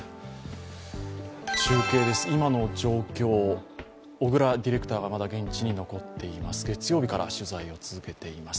中継です、今の状況、小倉ディレクターがまだ現地に残っています。